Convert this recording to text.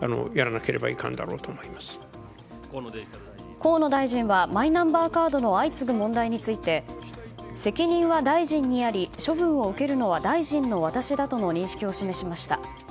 河野大臣はマイナンバーカードの相次ぐ問題について責任は大臣にあり処分を受けるのは大臣の私だとの認識を示しました。